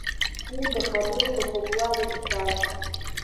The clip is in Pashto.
خور د خبرو د خوږوالي مثال ده.